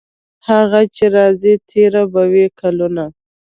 هغه چې راځي تیر به وي کلونه.